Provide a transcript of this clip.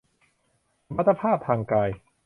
สมรรถภาพทางกาย